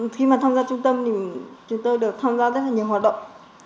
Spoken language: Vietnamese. khi mà tham gia trung tâm thì chúng tôi được tham gia rất là nhiều hoạt động